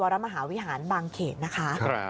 วรมหาวิหารบางเขตนะคะ